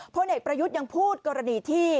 เพราะในประยุทธ์ยังพูดกรณีที่